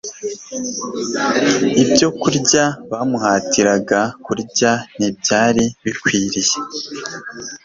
Ibyokurya bamuhatiraga kurya ntibyari bikwiriye